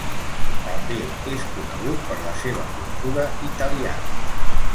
També és conegut per la seva cultura italiana.